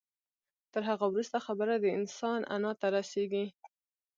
تر هغه وروسته خبره د انسان انا ته رسېږي.